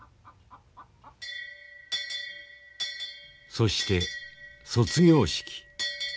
そして卒業式。